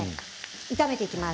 炒めていきます。